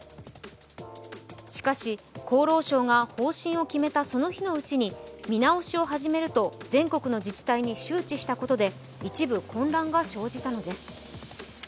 しかし、厚労省が方針を決めたその日のうちに見直しを始めると全国の自治体に周知したことで、一部混乱が生じたのです。